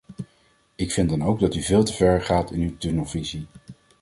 Ik vind dan ook dat u veel te ver gaat in uw tunnelvisie.